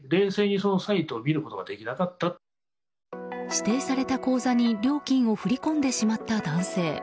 指定された口座に料金を振り込んでしまった男性。